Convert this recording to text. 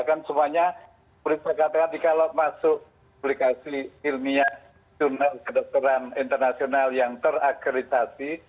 kan semuanya seperti saya katakan kalau masuk aplikasi ilmiah jurnal kedokteran internasional yang terakreditasi